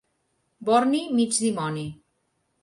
Borni, mig dimoni.